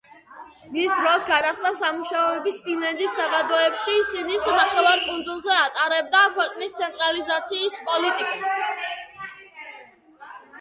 მის დროს განახლდა სამუშაოები სპილენძის საბადოებში სინის ნახევარკუნძულზე, ატარებდა ქვეყნის ცენტრალიზაციის პოლიტიკას.